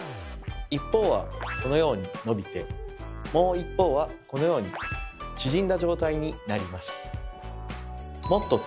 一方はこのように伸びてもう一方はこのように縮んだ状態になります。